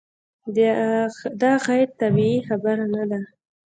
دا غیر طبیعي خبره نه ده.